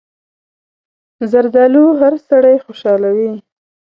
زردالو هر سړی خوشحالوي.